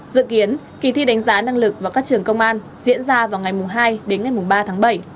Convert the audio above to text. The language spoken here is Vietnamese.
dự kiến kỳ thi đánh giá năng lực vào các trường công an diễn ra vào ngày hai đến ngày ba tháng bảy